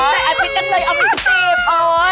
เทศปิดจังเลยเอามาไปกำลังเต็ม